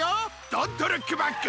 ドントルックバック！